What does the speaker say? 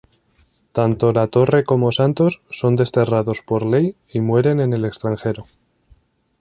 Tanto Latorre como Santos son desterrados por ley y mueren en el extranjero.